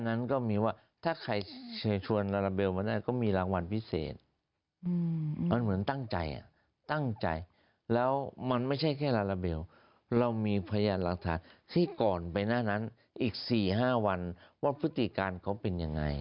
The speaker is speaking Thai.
อาจารย์คะงั้นไล่เลียงแบบนี้ก่อน